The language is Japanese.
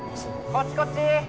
・こっちこっち。